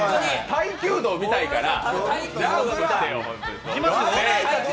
耐久度が見たいから。